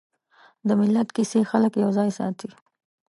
د ملت کیسې خلک یوځای ساتي.